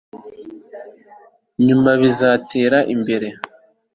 nyuma bizatera imbere